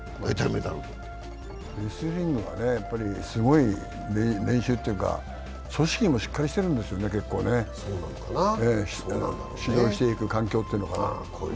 レスリングがすごい、練習というか組織もすごいんですね、指導していく環境というのかな。